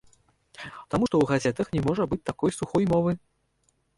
Таму што ў газетах не можа быць такой сухой мовы.